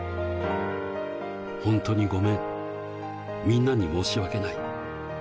ほんとにごめん、みんなに申し訳ない。